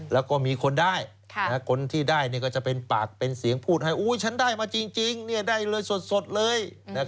แล้วก็มีคนได้คนที่ได้ก็จะเป็นปากเป็นเสียงพูดให้ฉันได้มาจริงได้เลยสดเลย